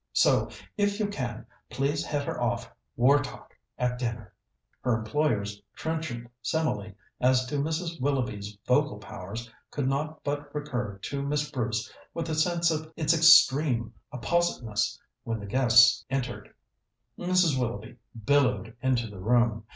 So, if you can, please head her off war talk at dinner." Her employer's trenchant simile as to Mrs. Willoughby's vocal powers could not but recur to Miss Bruce with a sense of its extreme appositeness when the guests entered. Mrs. Willoughby billowed into the room.